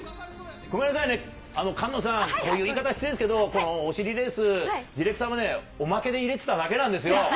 ごめんなさいね、菅野さん、こういう言い方失礼ですけど、お尻レース、ディレクターもね、おまけで入れてただけなんですよ。